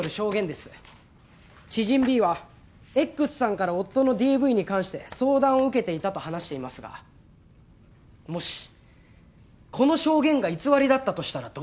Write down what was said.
知人ＢはＸさんから夫のＤＶに関して相談を受けていたと話していますがもしこの証言が偽りだったとしたらどうでしょう？